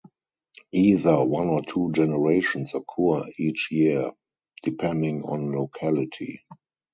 Either one or two generations occur each year, depending on locality.